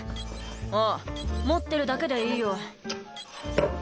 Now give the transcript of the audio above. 「ああ持ってるだけでいいよ」